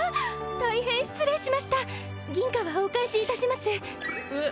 大変失礼しました銀貨はお返しいたしますえっ？